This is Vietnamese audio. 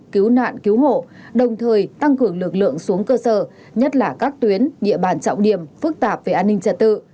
cứu nạn cứu hộ đồng thời tăng cường lực lượng xuống cơ sở nhất là các tuyến địa bàn trọng điểm phức tạp về an ninh trật tự